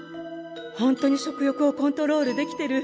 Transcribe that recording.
ホントに食欲をコントロールできてる。